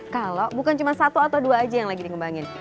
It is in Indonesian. kalau bukan cuma satu atau dua aja yang lagi dikembangin